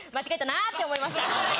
って思いました。